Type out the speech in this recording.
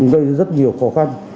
gây rất nhiều khó khăn